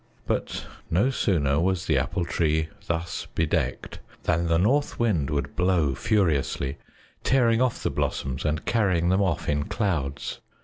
But no sooner was the Apple Tree thus bedecked than the North Wind would blow furiously, tearing off the blossoms and carrying them off in clouds.